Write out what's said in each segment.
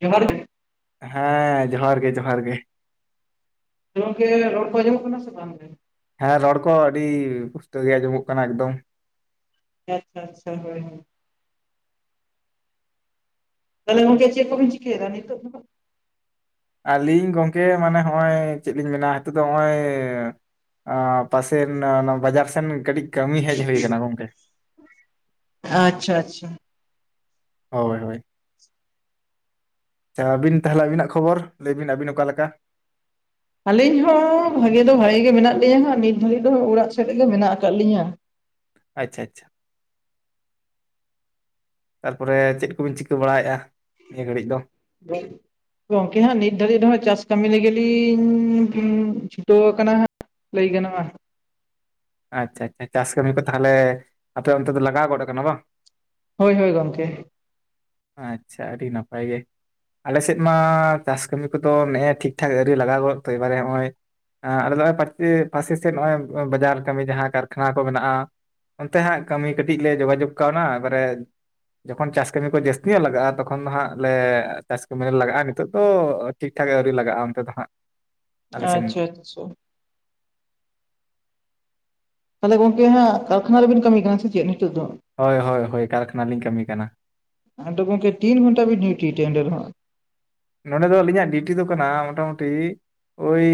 ᱡᱚᱦᱟᱨ ᱜᱮ ᱾ ᱦᱮᱸ ᱡᱚᱦᱟᱨ ᱜᱮ ᱡᱚᱦᱟᱨ ᱜᱮ ᱾ ᱜᱚᱝᱠᱮ ᱨᱚᱲ ᱠᱚ ᱟᱸᱡᱚᱢᱚᱜ ᱠᱟᱱᱟ ᱥᱮ ᱵᱟᱝ ᱜᱮ? ᱦᱮᱸ ᱨᱚᱲ ᱠᱚ ᱟᱹᱰᱤ ᱯᱩᱥᱴᱟᱹᱣ ᱜᱮ ᱟᱸᱡᱚᱢᱚᱜ ᱠᱟᱱᱟ ᱮᱠᱫᱚᱢ ᱾ ᱟᱪᱪᱷᱟ ᱟᱪᱪᱷᱟ ᱦᱳᱭ ᱦᱳᱭ ᱾ ᱛᱟᱞᱦᱮ ᱜᱚᱝᱠᱮ ᱪᱮᱫ ᱠᱚᱵᱤᱱ ᱪᱤᱠᱟᱹᱭᱮᱫᱟ ᱱᱤᱛᱳᱜ ᱫᱚ ᱦᱟᱸᱜ? ᱟᱹᱞᱤᱧ ᱜᱚᱝᱠᱮ ᱢᱟᱱᱮ ᱦᱚᱸᱜ-ᱚᱭ ᱪᱮᱫ ᱞᱤᱧ ᱢᱮᱱᱟ ᱦᱤᱛᱳᱜ ᱫᱚ ᱦᱚᱸᱜ-ᱚᱭ ᱟ ᱯᱟᱥᱮ ᱨᱮᱱᱟ ᱚᱱᱟ ᱵᱟᱡᱟᱨ ᱥᱮᱱ ᱠᱟᱹᱴᱤᱡ ᱠᱟᱹᱢᱤ ᱦᱮᱡ ᱦᱳᱭ ᱠᱟᱱᱟ ᱜᱚᱢᱠᱮ ᱾ ᱟᱪᱪᱷᱟ ᱟᱪᱪᱷᱟ ᱾ ᱦᱳᱭ ᱦᱳᱭ ᱾ ᱪᱷᱟ ᱟᱹᱵᱤᱱ ᱛᱟᱦᱚᱞᱮ ᱟᱹᱵᱤᱱᱟᱜ ᱠᱷᱚᱵᱚᱨ ᱞᱟᱹᱭ ᱵᱤᱱ ᱟᱹᱵᱤᱱ ᱚᱠᱟ ᱞᱮᱠᱟ? ᱟᱹᱞᱤᱧ ᱦᱚᱸ ᱵᱷᱟᱜᱮ ᱫᱚ ᱵᱷᱟᱜᱮ ᱜᱮ ᱢᱮᱱᱟᱜ ᱞᱤᱧᱟ ᱦᱟᱸᱜ ᱱᱤᱛ ᱫᱷᱟᱹᱵᱤᱡ ᱫᱚ ᱚᱲᱟᱜ ᱥᱮᱫ ᱨᱮᱜᱮ ᱢᱮᱱᱟᱜ ᱟᱠᱟᱜ ᱞᱤᱧᱟ ᱾ ᱟᱪᱪᱷᱟ ᱟᱪᱪᱷᱟ ᱾ ᱛᱟᱨᱯᱚᱨᱮ ᱪᱮᱫ ᱠᱚᱵᱤᱱ ᱪᱤᱠᱟᱹ ᱵᱟᱲᱟᱭᱮᱜ-ᱟ ᱱᱤᱭᱟᱹ ᱜᱷᱟᱹᱲᱤᱡ ᱫᱚ? [inaudible] ᱜᱚᱝᱠᱮ ᱦᱟᱸᱜ ᱱᱤᱛ ᱫᱷᱟᱹᱵᱤᱡ ᱫᱚ ᱦᱟᱸᱜ ᱪᱟᱥ ᱠᱟᱹᱢᱤ ᱞᱟᱹᱜᱤᱫ ᱞᱤᱧ ᱪᱷᱩᱴᱟᱹᱣ ᱟᱠᱟᱱᱟ ᱦᱟᱸᱜ ᱾ ᱞᱟᱹᱭ ᱜᱟᱱᱚᱜ-ᱟ ᱾ ᱟᱪᱪᱷᱟ ᱟᱪᱪᱷᱟ, ᱪᱟᱥ ᱠᱟᱹᱢᱤ ᱠᱚ ᱛᱟᱦᱚᱞᱮ ᱟᱯᱮ ᱚᱱᱛᱮ ᱫᱚ ᱞᱟᱜᱟᱣ ᱜᱚᱫ ᱟᱠᱟᱱᱟ ᱵᱟᱝ? ᱦᱳᱭ ᱦᱳᱭ ᱜᱚᱢᱠᱮ ᱾ ᱟᱪᱪᱷᱟ ᱟᱹᱰᱤ ᱱᱟᱯᱟᱭ ᱜᱮ ᱾ ᱟᱞᱮ ᱥᱮᱫ ᱢᱟ ᱪᱟᱥ ᱠᱟᱹᱢᱤ ᱠᱚᱫᱚ ᱱᱮᱜ-ᱮ ᱴᱷᱤᱠ ᱴᱷᱟᱠ ᱟᱹᱣᱨᱤ ᱞᱟᱜᱟᱣ ᱜᱚᱫ ᱛᱚ ᱮᱵᱟᱨᱮ ᱦᱚᱸᱜ-ᱚᱭ ᱟ ᱟᱞᱮ ᱫᱚ ᱦᱚᱜ-ᱚᱭ ᱯᱟᱪᱮ ᱯᱟᱥᱮ ᱥᱮᱫ ᱱᱚᱜ-ᱚᱭ ᱵᱟᱡᱟᱨ ᱠᱟᱹᱢᱤ ᱡᱟᱦᱟᱸ ᱠᱟᱨᱠᱷᱟᱱᱟ ᱠᱚ ᱢᱮᱱᱟᱜ-ᱟ ᱚᱱᱛᱮ ᱦᱟᱸᱜ ᱠᱟᱹᱢᱤ ᱠᱟᱹᱴᱤᱡ ᱞᱮ ᱡᱳᱜᱟᱡᱳᱜᱽ ᱠᱟᱣᱱᱟ, ᱮᱵᱟᱨᱮ ᱡᱚᱠᱷᱚᱱ ᱪᱟᱥ ᱠᱟᱹᱢᱤ ᱠᱚ ᱡᱟᱹᱥᱛᱤ ᱧᱚᱜ ᱞᱟᱜᱟᱜ-ᱟ ᱛᱚᱠᱷᱚᱱ ᱫᱚ ᱦᱟᱸᱜ ᱞᱮ ᱪᱟᱥ ᱠᱟᱹᱢ ᱨᱮ ᱞᱟᱜᱟᱜ-ᱟ, ᱱᱤᱛᱚᱜ ᱫᱚ ᱴᱷᱤᱠ ᱴᱷᱟᱠ ᱟᱹᱣᱨᱤ ᱞᱟᱜ-ᱟ ᱚᱱᱛᱮ ᱫᱚ ᱦᱟᱜ᱾ ᱟᱪᱪᱷᱟ ᱟᱪᱪᱷᱟ ᱾ ᱛᱟᱦᱚᱞᱮ ᱜᱚᱝᱠᱮ ᱦᱟᱸᱜ ᱠᱟᱨᱠᱷᱟᱱᱟ ᱨᱮᱵᱤᱱ ᱠᱟᱹᱢᱤ ᱠᱟᱱᱟ ᱥᱮ ᱪᱮᱫ ᱱᱤᱛᱚᱜ ᱫᱚ? ᱦᱳᱭ ᱦᱳᱭ ᱦᱳᱭ ᱠᱟᱨᱠᱷᱟᱱᱟ ᱞᱤᱧ ᱠᱟᱹᱢᱤ ᱠᱟᱱᱟ᱾ ᱟᱫᱚ ᱜᱚᱢᱠᱮ ᱛᱤᱱ ᱜᱷᱚᱱᱴᱟ ᱵᱤᱱ ᱰᱤᱭᱩᱴᱤ ᱮᱫᱟ ᱚᱰᱮ ᱫᱚ ᱦᱟᱜ? ᱱᱚᱸᱰᱮ ᱫᱚ ᱟᱹᱞᱤᱧᱟᱜ ᱰᱤᱭᱩᱴᱤ ᱫᱚ ᱠᱟᱱᱟ ᱢᱚᱴᱟᱢᱚᱴᱤ ᱳᱭ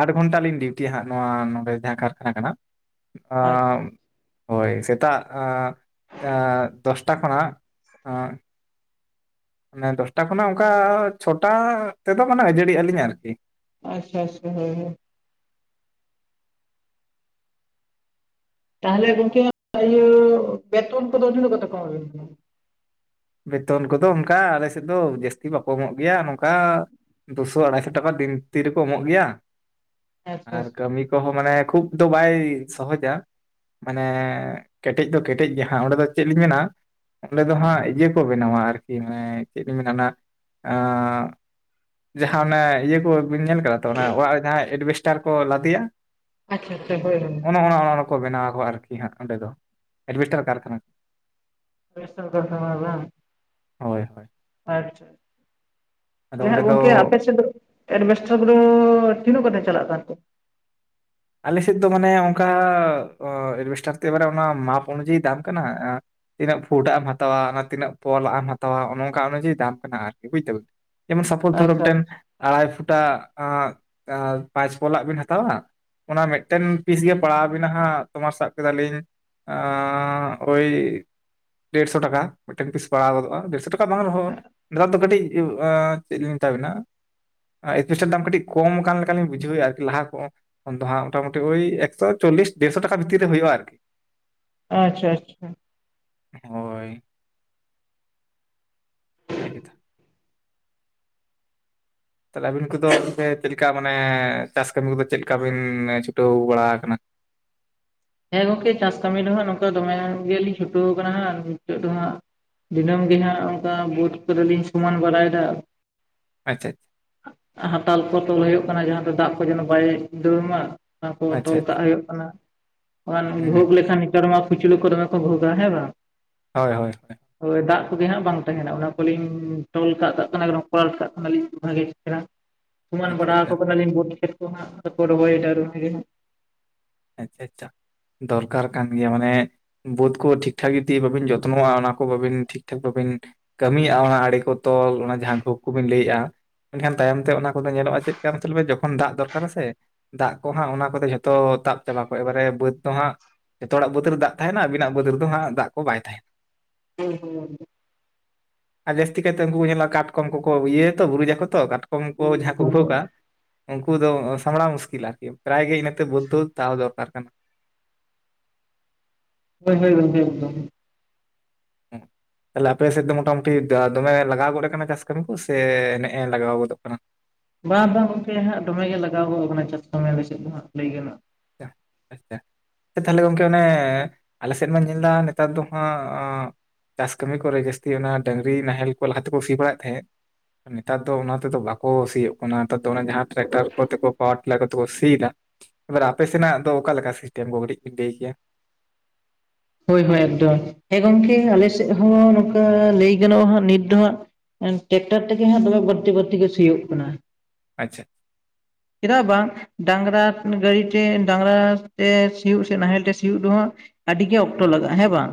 ᱟᱴ ᱜᱷᱚᱱᱴᱟ ᱞᱤᱧ ᱰᱭᱩᱴᱤᱭᱟ ᱦᱟᱸᱜ ᱱᱚᱣᱟ ᱱᱚᱰᱮ ᱡᱟᱦᱟᱸ ᱠᱟᱨᱠᱷᱟᱱᱟ ᱠᱟᱱᱟ᱾ ᱟᱻ ᱟᱪᱪᱷᱟ ᱦᱚᱭ ᱥᱮᱛᱟᱜ ᱟ ᱟ ᱫᱚᱥᱴᱟ ᱠᱷᱚᱱᱟᱜ ᱟ ᱢᱟᱱᱮ ᱫᱚᱥᱴᱟ ᱠᱷᱚᱱᱟᱜ ᱚᱱᱠᱟ ᱪᱷᱚᱴᱟ ᱛᱮᱫᱚ ᱢᱟᱱᱮ ᱟᱹᱡᱟᱹᱲᱤᱜ ᱟᱹᱞᱤᱧ ᱟᱨᱠᱤ᱾ ᱟᱪᱪᱷᱟ ᱟᱪᱪᱷᱟ ᱦᱳᱭ ᱦᱳᱭ ᱾ ᱛᱟᱦᱚᱞᱮ ᱜᱚᱝᱠᱮ ᱤᱭᱟᱹ ᱵᱮᱛᱚᱱ ᱠᱚᱫᱚ ᱛᱤᱱᱟᱜ ᱠᱟᱛᱮ ᱠᱚ ᱮᱢᱟᱵᱤᱱ ᱠᱟᱱᱟ? ᱵᱮᱛᱚᱱ ᱠᱚᱫᱚ ᱚᱱᱠᱟ ᱟᱞᱮ ᱥᱮᱫ ᱫᱚ ᱡᱟᱹᱥᱛᱤ ᱵᱟᱠᱚ ᱮᱢᱚᱜ ᱜᱮᱭᱟ, ᱱᱚᱝᱠᱟ ᱫᱩᱥᱚ ᱟᱲᱟᱭᱥᱚ ᱴᱟᱠᱟ ᱫᱤᱱ ᱛᱤ ᱨᱮᱠᱚ ᱮᱢᱚᱜ ᱜᱮᱭᱟ ᱾ [inaudible] ᱟᱪᱪᱷᱟ ᱟᱨ ᱠᱟᱹᱢᱤ ᱠᱚᱦᱚ ᱢᱟᱱᱮ ᱠᱷᱩᱵ ᱫᱚ ᱵᱟᱭ ᱥᱚᱦᱚᱡᱟ᱾ ᱢᱟᱱᱮ ᱠᱮᱴᱮᱡ ᱫᱚ ᱠᱮᱴᱮᱡ ᱜᱮ ᱦᱟᱸᱜ ᱚᱸᱰᱮ ᱫᱚ ᱪᱮᱫ ᱞᱤᱧ ᱢᱮᱱᱟ ᱚᱸᱰᱮ ᱫᱚ ᱦᱟᱸᱜ ᱤᱭᱟᱹ ᱠᱚ ᱵᱮᱱᱟᱣᱟ ᱟᱨᱠᱤ ᱢᱟᱱᱮ ᱪᱮᱫ ᱤᱧ ᱢᱮᱱᱟ ᱚᱱᱟ ᱡᱟᱦᱟᱸ ᱚᱱᱟ ᱤᱭᱟᱹ ᱠᱚ ᱵᱤᱱ ᱧᱮᱞ ᱠᱟᱜᱼᱟ? ᱚᱱᱟ ᱚᱲᱟᱜ ᱨᱮ ᱡᱟᱦᱟᱸ ᱮᱡᱵᱮᱥᱴᱟᱨ ᱠᱚ ᱞᱟᱫᱮᱭᱟ ᱟᱪᱪᱷᱟ ᱟᱪᱪᱷᱟ ᱦᱳᱭ ᱦᱳᱭ ᱚᱱᱮ ᱚᱱᱟ ᱚᱱᱟ ᱠᱚ ᱵᱮᱱᱟᱣ ᱟᱨᱠᱤ ᱦᱟᱸᱜ ᱚᱸᱰᱮ ᱫᱚ ᱮᱡᱵᱮᱥᱴᱟᱨ ᱠᱟᱨᱠᱷᱟᱱᱟ᱾ ᱮᱡᱵᱮᱥᱴᱟᱨ ᱠᱟᱨᱠᱷᱟᱱᱟ ᱵᱟᱝ? ᱦᱳᱭ ᱦᱳᱭ᱾ ᱟᱪᱪᱷᱟ ᱟᱫᱚ ᱛᱟᱦᱞᱮ ᱚᱸᱰᱮ ᱦᱟᱸᱜ ᱫᱚ ᱜᱚᱝᱠᱮ ᱟᱯᱮ ᱥᱮᱫ ᱫᱚ ᱮᱡᱵᱮᱥᱴᱟᱨ ᱠᱚᱫᱚ ᱛᱤᱱᱟᱹᱜ ᱠᱟᱛᱮ ᱪᱟᱞᱟᱜ ᱠᱟᱱ ᱛᱮ? ᱟᱞᱮᱥᱮᱫ ᱫᱚ ᱢᱟᱱᱮ ᱚᱱᱠᱟ ᱮᱡᱵᱮᱥᱴᱟᱨ ᱚᱱᱟ ᱢᱟᱯ ᱚᱱᱩᱡᱟᱭᱤ ᱫᱟᱢ ᱠᱟᱱᱟ ᱟ᱾ ᱛᱤᱱᱟᱹᱜ ᱯᱷᱩᱴ ᱟᱜ ᱮᱢ ᱦᱟᱛᱟᱣᱟ ᱛᱤᱱᱟᱹᱜ ᱯᱚᱞ ᱟᱜ ᱮᱢ ᱦᱟᱛᱟᱣᱟ ᱚᱱᱮ ᱚᱱᱠᱟ ᱚᱱᱩᱡᱟᱭᱤ ᱫᱟᱢ ᱠᱟᱱᱟ ᱟᱨᱠᱤ ᱵᱩᱡ ᱫᱟ ᱵᱤᱱ᱾ ᱡᱮᱢᱚᱱ ᱥᱟᱯᱚᱡ ᱫᱷᱚᱨᱚ ᱟᱪᱪᱷᱟ ᱢᱤᱫᱴᱮᱱ ᱟᱲᱟᱭ ᱯᱷᱩᱴᱟᱜ ᱯᱟᱸᱪ ᱯᱚᱞᱟᱜ ᱵᱤᱱ ᱦᱟᱛᱟᱣᱟ᱾ ᱚᱱᱟ ᱢᱤᱫᱴᱮᱱ ᱯᱤᱥ ᱜᱮ ᱯᱟᱲᱟᱣ ᱟᱵᱤᱱᱟ ᱦᱟᱸᱜ ᱛᱳᱢᱟᱨ ᱥᱟᱵ ᱠᱮᱫᱟᱞᱤᱧ ᱟ ᱳᱭ, ᱫᱮᱲᱥᱚ ᱴᱟᱠᱟ ᱢᱤᱫᱴᱟᱝ ᱯᱤᱥ ᱯᱟᱲᱟᱣ ᱜᱚᱫᱚᱜᱼᱟ, ᱫᱮᱲᱥᱚ ᱴᱟᱠᱟ ᱵᱟᱝ ᱨᱮᱦᱚᱸ, ᱱᱮᱛᱟᱨ ᱫᱚ ᱠᱟᱹᱴᱤᱡ ᱟ ᱪᱮᱫ ᱞᱤᱧ ᱢᱮᱛᱟ ᱵᱮᱱᱟ? ᱮᱡᱯᱮᱥᱴᱟᱨ ᱫᱟᱢ ᱠᱟᱹᱴᱤᱡ ᱠᱚᱢᱠᱟᱱ ᱞᱮᱠᱟ ᱞᱤᱧ ᱵᱩᱡᱷᱟᱹᱣᱼᱟ ᱟᱨᱠᱤ ᱞᱟᱦᱟ ᱠᱚ ᱫᱚ ᱦᱟᱸᱜ ᱢᱚᱴᱟᱢᱩᱴᱤ ᱳᱭ ᱮᱠᱥᱚ ᱪᱚᱞᱞᱤᱥ ᱰᱮᱲᱥᱚ ᱴᱟᱠᱟ ᱵᱷᱤᱛᱤᱨ ᱨᱮ ᱦᱩᱭᱩᱜᱼᱟ ᱟᱨᱠᱤ᱾ ᱟᱪᱪᱷᱟ ᱟᱪᱪᱷᱟ, ᱦᱳᱭ ᱱᱟᱯᱟᱭ ᱠᱟᱛᱷᱟ᱾ ᱛᱟᱦᱞᱮ ᱟᱵᱤᱱ ᱠᱚᱫᱚ ᱪᱮᱫ ᱞᱮᱠᱟ ᱢᱟᱱᱮ ᱪᱟᱥ ᱠᱟᱹᱢᱤ ᱠᱚᱫᱚ ᱪᱮᱫᱞᱮᱠᱟ ᱵᱤᱱ ᱪᱷᱩᱴᱟᱹᱣ ᱵᱟᱲᱟ ᱠᱟᱱᱟ? ᱦᱮᱸ ᱜᱚᱝᱠᱮ ᱪᱟᱥ ᱠᱟᱹᱢᱤ ᱫᱚ ᱦᱟᱸᱜ ᱱᱚᱝᱠᱟ ᱫᱚᱢᱮ ᱜᱮᱞᱤᱧ ᱪᱷᱩᱴᱟᱹᱣ ᱠᱟᱱᱟ ᱦᱟᱸᱜ ᱱᱤᱛᱚᱜ ᱫᱚ ᱦᱟᱸᱜ᱾ ᱫᱤᱱᱟᱹᱢ ᱜᱮ ᱦᱟᱸᱜ ᱚᱱᱠᱟ ᱵᱟᱹᱫ ᱠᱚᱨᱮ ᱞᱤᱧ ᱥᱚᱢᱟᱱ ᱵᱟᱲᱟᱭ ᱮᱫᱟ᱾ ᱟᱪᱪᱷᱟ, ᱦᱟᱛᱟᱞ ᱠᱚ ᱛᱚᱞ ᱦᱩᱭᱩᱜ ᱠᱟᱱᱟ ᱡᱟᱦᱟᱸ ᱫᱚ ᱫᱟᱜ ᱠᱚ ᱡᱮᱱᱚ ᱵᱟᱭ ᱫᱟᱹᱲ ᱢᱟ᱾ ᱚᱱᱟ ᱠᱚ ᱟᱪᱪᱷᱟ ᱛᱚᱞ ᱠᱟᱜ ᱟᱪᱪᱷᱟ ᱦᱩᱭᱩᱜ ᱠᱟᱱᱟ᱾ ᱦᱩᱸ ᱵᱷᱩᱜ ᱞᱮᱠᱷᱟᱱ ᱱᱮᱛᱟᱨ ᱢᱟ ᱠᱩᱪᱞᱟᱹ ᱠᱚ ᱫᱚᱢᱮ ᱠᱚ ᱵᱷᱩᱜᱼᱟ ᱦᱮᱸ ᱵᱟᱝ? ᱦᱳᱭ ᱦᱳᱭ ᱦᱳᱭ᱾ ᱦᱳ ᱫᱟᱜ ᱠᱚᱜᱮ ᱦᱟᱸᱜ ᱵᱟᱝ ᱛᱟᱦᱮᱱᱟ ᱚᱱᱟ ᱠᱚᱞᱤᱧ ᱴᱚᱞ ᱠᱟᱜ ᱠᱟᱜ ᱠᱟᱱᱟ [inaudible] ᱠᱚᱨᱟᱞ [inaudible] ᱠᱟᱜ ᱠᱟᱱᱟᱞᱤᱧ ᱵᱷᱟᱜᱮ ᱪᱮᱦᱮᱨᱟ᱾ ᱥᱚᱢᱟᱱ ᱟᱪᱪᱷᱟ ᱟᱪᱪᱷᱟ ᱵᱟᱲᱟ ᱟᱠᱚ ᱠᱟᱱᱟᱞᱤᱧ ᱵᱟᱹᱫ ᱠᱷᱮᱛ ᱠᱚ ᱦᱟᱸᱜ ᱟᱫᱚ ᱠᱚ ᱨᱚᱦᱚᱭᱫᱟ ᱠᱚ ᱫᱚᱢᱮ ᱜᱮ ᱦᱟᱸᱜ᱾ ᱟᱪᱪᱷᱟ ᱟᱪᱪᱷᱟ ᱫᱚᱨᱠᱟᱨ ᱠᱟᱱ ᱜᱮᱭᱟ ᱢᱟᱱᱮ᱾ ᱵᱟᱹᱫᱽ ᱠᱚ ᱴᱷᱤᱠ ᱴᱷᱟᱠ ᱡᱚᱫᱤ ᱵᱟᱵᱤᱱ ᱡᱚᱛᱱᱚᱜᱼᱟ ᱚᱱᱟ ᱠᱚ ᱵᱟᱹᱵᱤᱱ ᱴᱷᱤᱠ ᱴᱷᱟᱠ ᱵᱟᱹᱵᱤᱱ, ᱠᱟᱹᱢᱤᱭᱟᱜᱼᱟ ᱚᱱᱟ ᱟᱲᱮ ᱠᱚ ᱛᱚᱞ ᱚᱱᱟ ᱡᱟᱦᱟᱸ ᱠᱷᱳᱯ ᱠᱚᱵᱤᱱ ᱞᱟᱹᱭᱮᱫᱼᱟ᱾ ᱮᱱᱠᱷᱟᱱ ᱛᱟᱭᱚᱢ ᱛᱮ ᱚᱱᱟ ᱠᱚᱫᱚ ᱧᱮᱞᱚᱜᱼᱟ ᱪᱮᱫ ᱠᱟ ᱢᱟᱥᱮ ᱞᱟᱹᱭᱢᱮ ᱡᱚᱠᱷᱚᱱ ᱫᱟᱜ ᱫᱚᱨᱠᱟᱨ ᱥᱮ, ᱫᱟᱜ ᱠᱚ ᱦᱟᱸᱜ ᱚᱱᱟ ᱠᱚᱫᱚ ᱡᱷᱚᱛᱚ ᱛᱟᱵ ᱪᱟᱵᱟ ᱠᱚᱜᱼᱟ ᱮᱵᱟᱨᱮ ᱵᱟᱹᱫᱽ ᱫᱚ ᱦᱟᱸᱜ, ᱡᱷᱚᱛᱚ ᱦᱚᱲᱟᱜ ᱵᱟᱹᱫᱽ ᱨᱮ ᱫᱟᱜ ᱛᱟᱦᱮᱱᱟ ᱟᱵᱤᱱᱟᱜ ᱵᱟᱹᱫᱽ ᱨᱮᱫᱚ ᱦᱟᱸᱜ ᱫᱟᱜ ᱠᱚ ᱵᱟᱭ ᱛᱟᱦᱮᱱᱟ᱾ [inaudible] ᱟᱨ ᱡᱟᱹᱥᱛᱤ ᱠᱟᱭᱛᱮ ᱩᱱᱠᱩ ᱠᱚ ᱧᱮᱞᱚᱜ-ᱟ ᱠᱟᱴᱠᱚᱢ ᱠᱚᱠᱚ ᱤᱭᱟᱹᱭᱟ ᱛᱚ ᱵᱩᱨᱩᱡᱟᱠᱚ ᱛᱚ ᱠᱟᱴ ᱠᱚᱢ ᱠᱚ ᱦᱳᱭ ᱡᱟᱦᱟᱸ ᱠᱚ ᱜᱷᱳᱠ-ᱟ ᱩᱱᱠᱩ ᱫᱚ ᱥᱟᱢᱲᱟᱣ ᱢᱩᱥᱠᱤᱞ ᱟᱨᱠᱤ ᱯᱨᱟᱭ ᱜᱮ ᱤᱱᱟᱹᱛᱮ ᱵᱟᱹᱫᱽ ᱫᱚ ᱛᱟᱣ ᱫᱚᱨᱠᱟᱨ ᱠᱟᱱᱟ᱾ ᱦᱳᱭ ᱦᱳᱭ ᱜᱚᱢᱠᱮ ᱮᱠᱫᱚᱢ᱾ ᱦᱩᱸ, ᱛᱟᱦᱞᱮ ᱟᱯᱮ ᱥᱮᱫ ᱫᱚ ᱢᱚᱴᱟᱢᱩᱴᱤ ᱫᱚᱢᱮ ᱞᱟᱜᱟᱣ ᱜᱚᱫ ᱠᱟᱱᱟ ᱪᱟᱥ ᱠᱟᱹᱢᱤ ᱠᱚ ᱥᱮ ᱱᱮᱜ ᱮ ᱞᱟᱜᱟᱣ ᱜᱚᱫᱚᱜ ᱠᱟᱱᱟ? ᱵᱟᱝ ᱵᱟᱝ ᱜᱚᱢᱠᱮ ᱦᱟᱸᱜ ᱫᱚᱢᱮ ᱜᱮ ᱞᱟᱜᱟᱣ ᱜᱚᱜ ᱠᱟᱱᱟ ᱪᱟᱥ ᱠᱟᱹᱢᱤ ᱟᱞᱮ ᱥᱮᱫ ᱫᱚ ᱦᱟᱸᱜ ᱞᱟᱹᱭ ᱜᱟᱱᱚᱜ [inaudible] ᱛᱟᱦᱞᱮ ᱜᱚᱝᱠᱮ ᱚᱱᱮ ᱟᱞᱮ ᱥᱮᱫ ᱢᱟ ᱧᱮᱞ ᱫᱟ ᱱᱮᱛᱟᱨ ᱫᱚ ᱦᱟᱸᱜ ᱪᱟᱥ ᱠᱟᱹᱢᱤ ᱠᱚᱨᱮ ᱡᱟᱹᱥᱛᱤ ᱚᱱᱟ ᱰᱟᱹᱝᱨᱤ ᱱᱟᱦᱮᱞ ᱠᱚ ᱞᱟᱦᱟ ᱛᱮᱠᱚ ᱥᱤ ᱵᱟᱲᱟᱭᱮᱫ ᱛᱟᱦᱮᱸᱫ, ᱱᱮᱛᱟᱨ ᱫᱚ ᱚᱱᱟ ᱛᱮᱫᱚ ᱵᱟᱠᱚ ᱥᱤᱭᱳᱜ ᱠᱟᱱᱟ ᱱᱮᱛᱟᱨ ᱫᱚ ᱚᱱᱟ ᱡᱟᱦᱟᱸ ᱴᱨᱟᱠᱴᱟᱨ ᱠᱚᱛᱮ ᱠᱚ ᱯᱟᱣᱟᱨᱴᱤᱞᱟᱨ ᱠᱚᱛᱮ ᱠᱚ ᱥᱤᱭᱫᱟ, ᱮᱵᱟᱨ ᱟᱯᱮ ᱥᱮᱱᱟᱜ ᱫᱚ ᱚᱠᱟ ᱞᱮᱠᱟ ᱥᱤᱥᱴᱮᱢ ᱠᱚ ᱠᱟᱹᱴᱤᱡ ᱵᱤᱱ ᱞᱟᱹᱭ ᱠᱮᱭᱟ? ᱦᱳᱭ ᱦᱳᱭ ᱮᱠᱫᱚᱢ ᱦᱮᱸ ᱜᱚᱢᱠᱮ ᱟᱞᱮ ᱥᱮᱫ ᱦᱚᱸ ᱱᱚᱝᱠᱟ ᱞᱟᱹᱭ ᱜᱟᱱᱚᱜᱼᱟ ᱦᱟᱸᱜ ᱱᱤᱛ ᱦᱟᱸᱜ ᱴᱮᱠᱴᱟᱨ ᱛᱮᱜᱮ ᱦᱟᱸᱜ ᱫᱚᱢᱮ ᱵᱟᱹᱲᱛᱤ ᱵᱟᱹᱲᱛᱤ ᱜᱮ ᱥᱤᱭᱳᱜ ᱠᱟᱱᱟ᱾ ᱟᱪᱪᱷᱟ, ᱪᱮᱫᱟᱜ ᱵᱟᱝ, ᱰᱟᱝᱨᱟ ᱜᱟᱹᱰᱤᱛᱮ ᱰᱟᱝᱨᱟ ᱛᱮ ᱥᱤᱭᱳᱜ ᱥᱮ ᱱᱟᱦᱮᱞ ᱛᱮ ᱥᱤᱭᱳᱜ ᱨᱮᱦᱚᱸ ᱟᱹᱰᱤ ᱜᱮ ᱚᱠᱛᱚ ᱞᱟᱜᱟᱜᱼᱟ ᱦᱮᱸ ᱵᱟᱝ?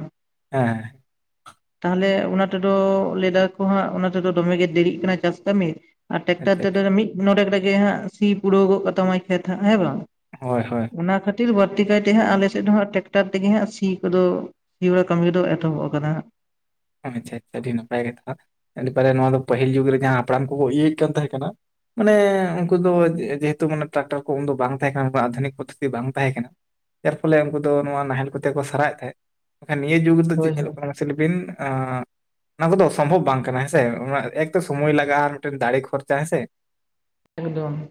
ᱦᱮᱸ, [inaudible] ᱛᱟᱦᱚᱞᱮ ᱚᱱᱟ ᱛᱮᱫᱚ ᱞᱟᱹᱭ ᱫᱟᱠᱚ ᱦᱟᱸᱜ ᱚᱱᱟ ᱛᱮᱫᱚ ᱫᱚᱢᱮᱜᱮ ᱫᱮᱨᱤᱜ ᱠᱟᱱᱟ ᱪᱟᱥ ᱠᱟᱹᱢᱤ, ᱟᱨ ᱴᱮᱠᱴᱟᱨ ᱟᱪᱪᱷᱟ ᱛᱮᱫᱚ ᱟᱪᱪᱷᱟ ᱢᱤᱫ ᱱᱚᱰᱮᱠ ᱨᱮᱜᱮ ᱦᱟᱸᱜ ᱥᱤ ᱯᱩᱨᱟᱹᱣ ᱜᱚᱜ ᱠᱟᱛᱟ ᱢᱟᱭ ᱠᱷᱮᱛ ᱦᱟᱸᱜ ᱦᱮᱸ ᱵᱟᱝ? ᱦᱳᱭ ᱦᱳᱭ, ᱚᱱᱟ ᱠᱷᱟᱹᱛᱤᱨ ᱵᱟᱹᱲᱛᱤ ᱠᱟᱭᱛᱮ ᱦᱟᱸᱜ ᱟᱞᱮᱥᱮᱫ ᱫᱚ ᱦᱟᱸᱜ ᱴᱮᱠᱴᱟᱨ ᱛᱮᱜᱮ ᱦᱟᱸᱜ ᱥᱤ, ᱠᱚ ᱫᱚ ᱛᱤᱵᱟᱲᱟ ᱠᱟᱹᱢᱤ ᱫᱚ ᱮᱛᱚᱦᱚᱵ ᱟᱠᱟᱱᱟ ᱦᱟᱸᱜ, ᱟᱪᱪᱷᱟ ᱟᱪᱷᱟ ᱟᱹᱰᱤ ᱱᱟᱯᱟᱭ ᱠᱟᱛᱷᱟ ᱤᱱᱟ ᱯᱟᱨᱮ ᱱᱚᱣᱟ ᱫᱚ ᱯᱟᱹᱦᱤᱞ ᱡᱩᱜᱽ ᱨᱮ ᱡᱟᱦᱟᱸ ᱦᱟᱯᱲᱟᱢ ᱠᱚᱠᱚ ᱤᱭᱟᱹᱭᱮᱫ ᱠᱟᱱ ᱛᱟᱦᱮᱸ ᱠᱟᱱᱟ, ᱢᱟᱱᱮ ᱩᱱᱠᱩ ᱫᱚ ᱡᱮᱦᱮᱛᱩ ᱢᱟᱱᱮ ᱴᱨᱟᱠᱴᱟᱨ ᱠᱚ ᱩᱱ ᱫᱚ ᱵᱟᱝ ᱛᱟᱦᱮᱸ ᱠᱟᱱᱟ ᱟᱫᱷᱩᱱᱤᱠ ᱯᱚᱫᱽᱷᱚᱛᱤ ᱵᱟᱝ ᱛᱟᱦᱮᱸ ᱠᱟᱱᱟ, ᱡᱟᱨ ᱯᱷᱚᱞᱮ ᱩᱱᱠᱩ ᱫᱚ ᱱᱚᱣᱟ ᱱᱟᱦᱮᱞ ᱠᱚᱛᱮ ᱠᱚ ᱥᱟᱨᱟᱣᱮᱫ ᱛᱟᱦᱮᱸᱫ ᱢᱮᱱᱠᱷᱟᱱ ᱱᱤᱭᱟᱹ ᱡᱩᱜᱽ ᱨᱮᱫᱚ ᱪᱮᱫ ᱦᱳᱭ ᱧᱮᱞᱚᱜ ᱦᱳᱭ ᱠᱟᱱᱟ ᱢᱟᱥᱮ ᱞᱟᱹᱭ ᱵᱤᱱ ᱟᱻ ᱚᱱᱟ ᱠᱚᱫᱚ ᱚᱥᱚᱢᱵᱷᱚᱵ ᱵᱟᱝ ᱠᱟᱱᱟ ᱦᱮᱸᱥᱮ ᱮᱠ ᱛᱚ ᱥᱚᱢᱳᱭ ᱞᱟᱜᱟᱜᱼᱟ ᱟᱨ ᱢᱤᱫᱴᱮᱱ ᱫᱟᱲᱮ ᱠᱷᱚᱨᱪᱟ ᱦᱮᱸᱥᱮ, ᱮᱠᱫᱚᱢ,